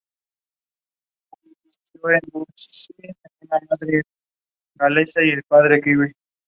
Además se ha consagrado campeón Carioca en dos oportunidades.